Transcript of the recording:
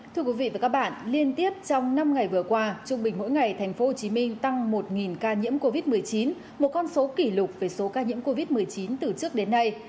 thưa quý vị và các bạn liên tiếp trong năm ngày vừa qua trung bình mỗi ngày tp hcm tăng một ca nhiễm covid một mươi chín một con số kỷ lục về số ca nhiễm covid một mươi chín từ trước đến nay